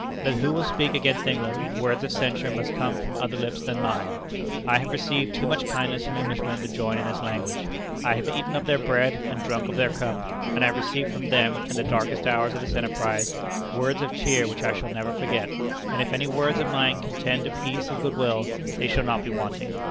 Let who will speak against England words of censure must come from other lips than mine. I have received too much kindness from Englishmen to join in this language. I have eaten of their bread and drunk of their cup, and I have received from them, in the darkest hours of this enterprise, words of cheer which I shall never forget; and if any words of mine can tend to peace and good will, they shall not be wanting.